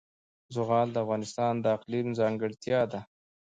زغال د افغانستان د اقلیم ځانګړتیا ده.